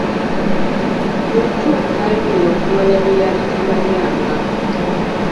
Luutu n'ayongera okumanya bye yali tamanyanga.